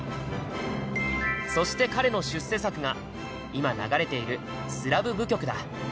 そして彼の出世作が今流れている「スラブ舞曲」だ。